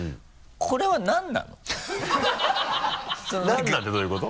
何なのってどういうこと？